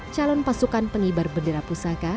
calon pasukan pengibar bendera pusaka